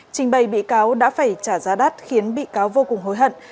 trình bày bị cáo đã phải trả giá đắt khiến bị cáo vô cùng hối hận